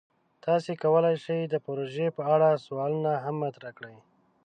تاسو کولی شئ د پروژې په اړه سوالونه هم مطرح کړئ.